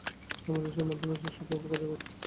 সামঞ্জস্যের মাধ্যমেই শ্রেষ্ঠ প্রভাব কার্যকর হয়।